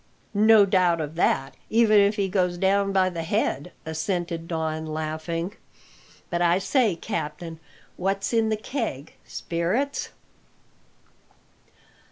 "No doubt of that, even if he goes down by the head," assented Don, laughing. "But, I say, captain, what's in the keg spirits?"